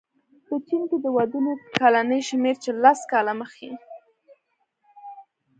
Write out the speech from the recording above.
په چین کې د ودونو کلنی شمېر چې لس کاله مخې